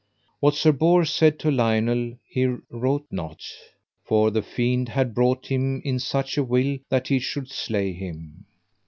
What Sir Bors said to Lionel he rought not, for the fiend had brought him in such a will that he should slay him.